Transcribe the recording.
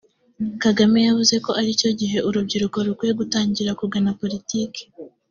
Kagame yavuze ko ari cyo gihe urubyiruko rukwiye gutangira kugana politki